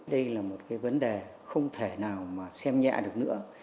đây là một cái vấn đề không thể nào mà xem nhẹ được nữa